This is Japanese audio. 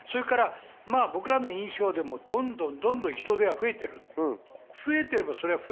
僕らの印象でもどんどん人出が増えている。